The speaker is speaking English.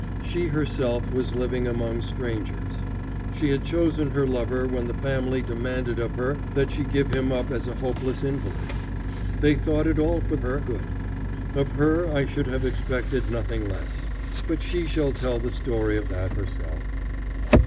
She herself was living among strangers. She had chosen her lover when the family demanded of her that she give him up as a hopeless invalid. They thought it all for her good. Of her I should have expected nothing less. But she shall tell the story of that herself.